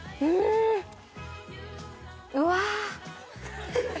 うわ。